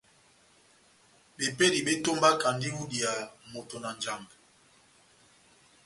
Bepédi bétómbakandi ó idiya moto na Njambɛ.